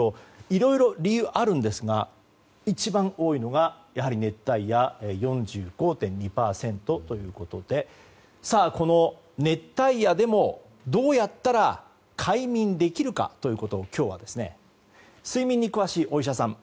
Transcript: いろいろ、理由あるんですが一番多いのが、やはり熱帯夜４５．２％ということでこの熱帯夜でも、どうやったら快眠できるかということを今日は睡眠に詳しいお医者さん